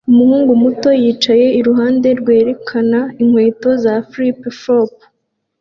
Umuhungu muto yicaye iruhande rwerekana inkweto za flip-flop